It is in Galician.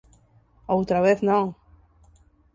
Outra vez non.